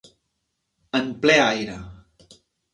En ple aire.